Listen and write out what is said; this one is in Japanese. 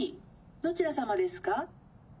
どちらさまですか？